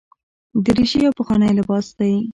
دریشي یو پخوانی لباس دی.